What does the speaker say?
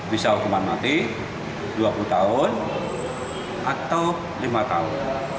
bisa hukuman mati dua puluh tahun atau lima tahun